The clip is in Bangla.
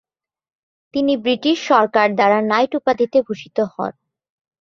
তিনি ব্রিটিশ সরকার দ্বারা নাইট উপাধিতে ভূষিত হন।